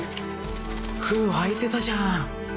封開いてたじゃん。